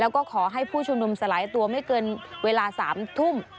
แล้วก็ขอให้ผู้ชุมนุมสลายตัวไม่เกินเวลา๓ทุ่ม